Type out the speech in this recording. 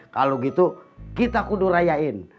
kalau gitu kita kudurayain